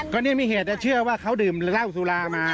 ก็นี่มีเหตุแต่เชื่อว่าเขาดื่มเหล้าสุรามา